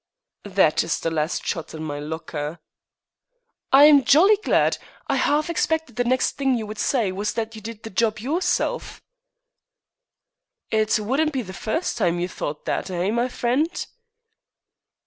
"That is the last shot in my locker." "I'm jolly glad! I half expected the next thing you would say was that you did the job yourself." "It wouldn't be the first time you thought that; eh, my friend?"